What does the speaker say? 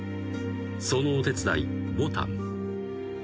［そのお手伝いぼたん］